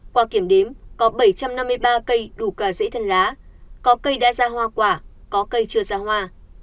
qua kiểm đếm có bảy trăm năm mươi ba cây đủ cả dễ thân lá có cây đã ra hoa quả có cây chưa ra hoa